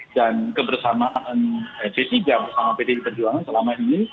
dan kebersamaan p tiga bersama pdi perjuangan selama ini